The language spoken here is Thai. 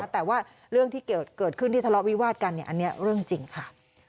แต่ว่าเรื่องที่เกิดขึ้นที่ทะเลาะวิวาดกันอันนี้เรื่องจริงค่ะ